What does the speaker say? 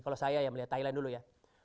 kalau saya ya melihat thailand dulu ya